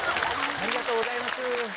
ありがとうございます。